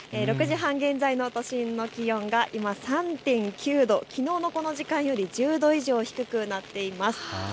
６時半現在の都心の気温が今３．９度、きのうのこの時間より１０度以上低くなっています。